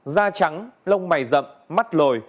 da trắng lông mày rậm mắt lồi